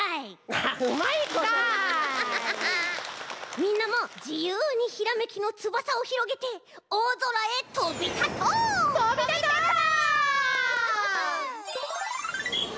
みんなもじゆうにひらめきのつばさをひろげておおぞらへとびたとう！とびたとう！